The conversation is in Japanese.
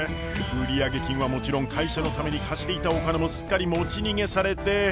売上金はもちろん会社のために貸していたお金もすっかり持ち逃げされて。